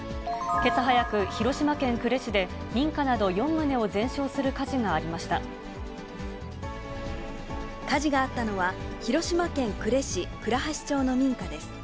けさ早く、広島県呉市で、民家など４棟を全焼する火事がありまし火事があったのは、広島県呉市倉橋町の民家です。